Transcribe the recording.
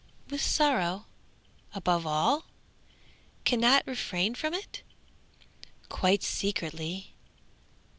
With sorrow? Above all? Can not refrain from it? Quite secretly?